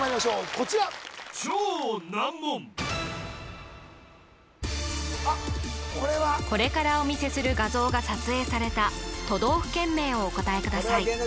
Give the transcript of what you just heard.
こちらこれからお見せする画像が撮影された都道府県名をお答えください